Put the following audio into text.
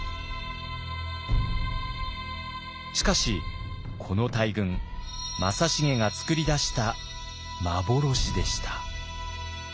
しかしこの大軍正成が作り出した幻でした。